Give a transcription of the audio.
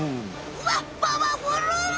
うわっパワフル！